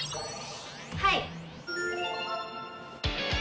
はい！